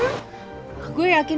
orang motornya gue juga gak ada